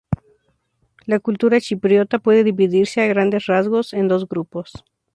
La cultura chipriota puede dividirse, a grandes rasgos, en dos grupos.